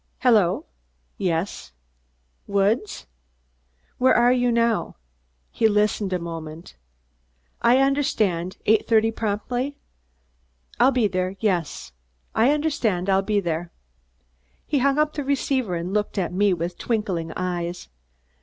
"Hello Yes Woods? Where are you now?" He listened a moment. "I understand Eight thirty promptly? I'll be there Yes, I understand I'll be there." He hung up the receiver and looked at me with twinkling eyes.